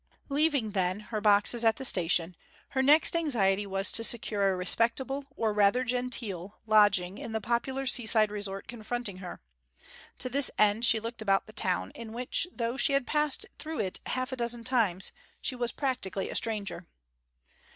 Leaving, then, her boxes at the station, her next anxiety was to secure a respectable, or rather genteel, lodging in the popular seaside resort confronting her. To this end she looked about the town, in which, though she had passed through it half a dozen times, she was practically a stranger.